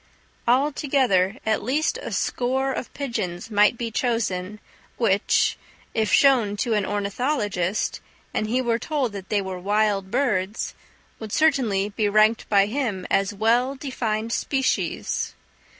Altogether at least a score of pigeons might be chosen, which, if shown to an ornithologist, and he were told that they were wild birds, would certainly be ranked by him as well defined species.